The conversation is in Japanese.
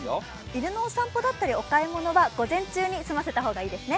犬のお散歩だったりお買い物は午前中に済ませた方がいいですね。